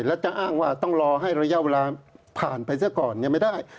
แล้วจะอ้างว่าต้องรอให้ระยะเวลาผ่านไปซะก่อนยังไม่ได้